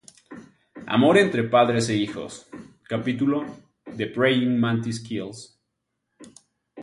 Amor entre padres e hijos: Capítulo "The Praying Mantis Kills".